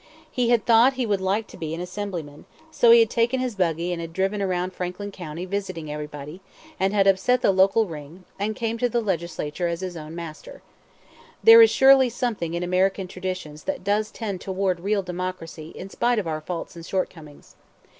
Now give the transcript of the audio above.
He had thought he would like to be Assemblyman, so he had taken his buggy and had driven around Franklin County visiting everybody, had upset the local ring, and came to the Legislature as his own master. There is surely something in American traditions that does tend toward real democracy in spite of our faults and shortcomings.